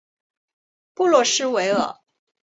布洛斯维尔。